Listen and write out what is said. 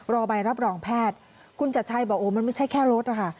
รอใบรับรองแพทย์คุณจัดชัยบอกโอ้มันไม่ใช่แค่รถนะคะ